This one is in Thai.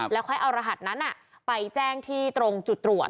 แล้วค่อยเอารหัสนั้นไปแจ้งที่ตรงจุดตรวจ